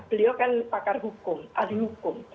beliau kan pakar hukum ahli hukum